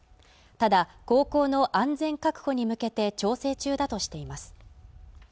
ただ航行の安全確保に向けて調整中だとしています